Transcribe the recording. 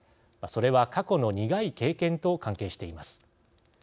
それは、過去の苦い経験と関係しています。